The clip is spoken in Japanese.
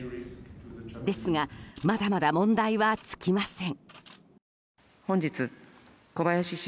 ですがまだまだ問題は尽きません。